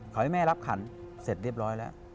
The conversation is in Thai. ขอให้แม่รับขันเสร็จเรียบร้อยแล้ว